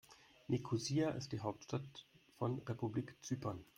Nikosia ist die Hauptstadt von Republik Zypern.